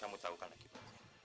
kamu tahu kan akibatnya